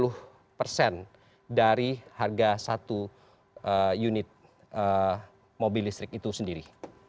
bisa empat puluh sampai lima puluh persen dari harga satu unit mobil listrik itu sendiri